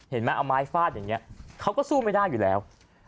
เห็นไหมเอาไม้ฟาดอย่างนี้เขาก็สู้ไม่ได้อยู่แล้ว